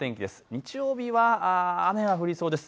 日曜日は雨が降りそうです。